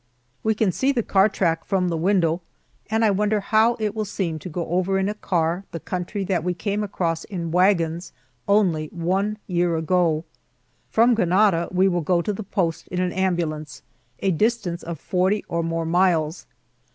We can see the car track from the window, and I wonder how it will seem to go over in a car, the country that we came across in wagons only one year ago. From Granada we will go to the post in an ambulance, a distance of forty or more miles.